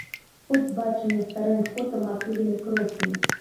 От бачым на старым фота матуліны кросны!